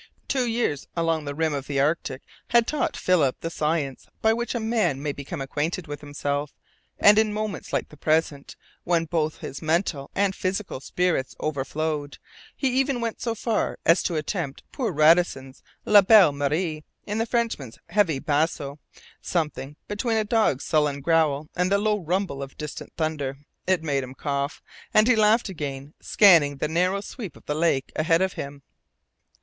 Two years along the rim of the Arctic had taught Philip the science by which a man may become acquainted with himself, and in moments like the present, when both his mental and physical spirits overflowed, he even went so far as to attempt poor Radisson's "La Belle Marie" in the Frenchman's heavy basso, something between a dog's sullen growl and the low rumble of distant thunder. It made him cough. And then he laughed again, scanning the narrowing sweep of the lake ahead of him.